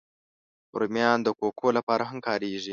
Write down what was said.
رومیان د کوکو لپاره هم کارېږي